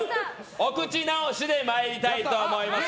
お口直しで参りたいと思います。